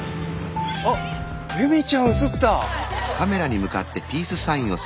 あっ恵美ちゃん映った。